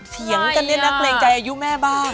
เศียงแล้วแน๊ตนักเลี้ยงใจอายุแม่บ้าง